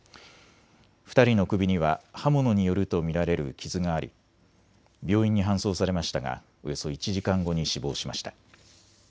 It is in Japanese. ２人の首には刃物によると見られる傷があり病院に搬送されましたがおよそ１時間後に死亡しました。